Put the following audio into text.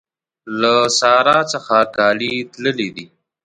له سارا څخه کالي تللي دي.